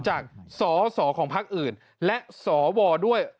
จากสสของพักอื่นและสวด้วย